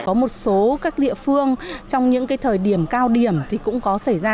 có một số các địa phương trong những cái thời điểm cao điểm thì cũng có xảy ra